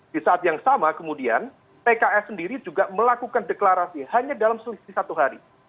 di saat yang sama kemudian pks sendiri juga melakukan deklarasi hanya dalam selisih satu hari